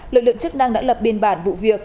lực lượng chức năng đã lập biên bản vụ việc